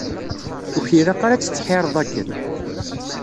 Ur k-ilaq ad tettḥireḍ akken.